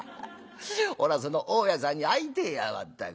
俺はその大家さんに会いてえやまったく。